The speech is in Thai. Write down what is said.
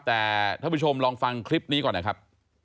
แต่ท่านผู้ชมลองฟังคลิปนี้ก่อนนะครับ